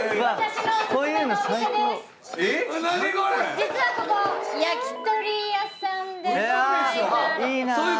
実はここ焼き鳥屋さんでございます。